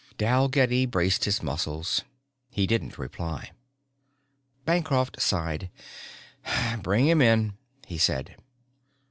Dalgetty braced his muscles. He didn't reply. Bancroft sighed. "Bring him in," he said.